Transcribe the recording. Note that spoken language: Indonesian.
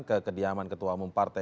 ke kediaman ketua umum partai